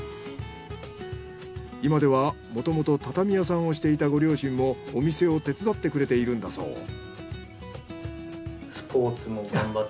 今ではもともと畳屋さんをしていたご両親もお店を手伝ってくれているんだそう。